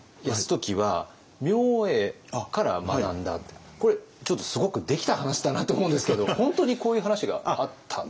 泰時は明恵から学んだってこれちょっとすごくできた話だなと思うんですけど本当にこういう話があった？